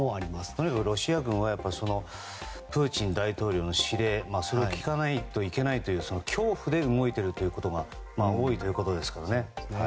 とにかくロシア軍はプーチン大統領の指令それを聞かないといけないという恐怖で動いているということが多いということですからね。